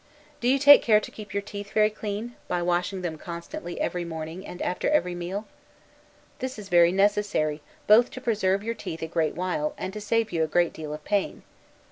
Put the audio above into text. Do you take care to keep your teeth very clean, by washing them constantly every morning, and after every meal? This is very necessary, both to preserve your teeth a great while, and to save you a great deal of pain.